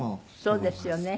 そうですよね。